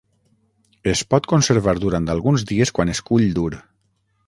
Es pot conservar durant alguns dies quan es cull dur.